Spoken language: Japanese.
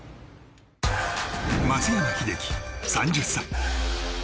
松山英樹、３０歳。